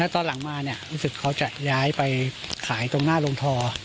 ตอนหลังมารู้สึกเขาจะย้ายไปขายตรงหน้าโรงทอ